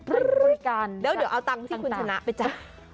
แล้วเดี๋ยวเอาตังค์ที่คุณชนะไปจ่ะ